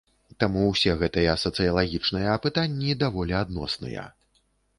Таму ўсе гэтыя сацыялагічныя апытанні даволі адносныя.